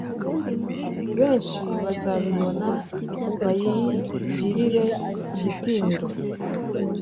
Benshi bazabibona bayigirire igitinyiro